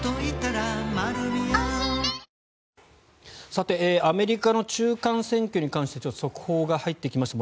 さてアメリカの中間選挙に関して速報が入ってきました。